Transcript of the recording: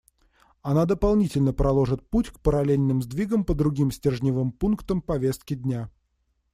Оно дополнительно проложит путь к параллельным сдвигам по другим стержневым пунктам повестки дня.